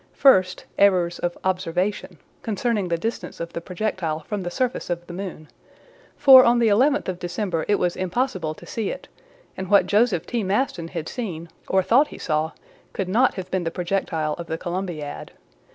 First, errors of observation, concerning the distance of the projectile from the surface of the moon, for on the 11th of December it was impossible to see it; and what Joseph T. Maston had seen, or thought he saw, could not have been the projectile of the Columbiad.